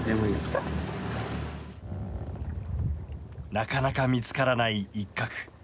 なかなか見つからないイッカク。